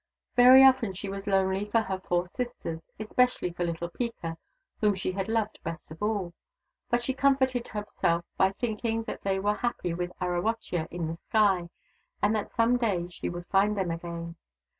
Very often she was lonely for her four sisters, especially for little Peeka, whom she had loved best of all : but she comforted herself by thinking that they were happy with Arawotya in the sky, and that some day she would find them again.